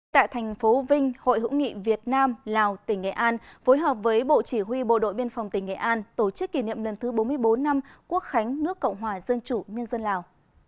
tại thành phố vinh hội hữu nghị việt nam lào tỉnh nghệ an phối hợp với bộ chỉ huy bộ đội biên phòng tỉnh nghệ an tổ chức kỷ niệm lần thứ bốn mươi bốn năm quốc khánh nước cộng hòa dân chủ nhân dân lào